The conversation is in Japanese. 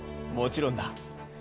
もちろんだ。